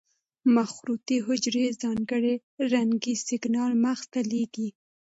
مخروطې حجرې ځانګړي رنګي سېګنال مغز ته لېږي.